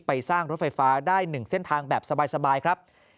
สร้างรถไฟฟ้าได้๑เส้นทางแบบสบายครับ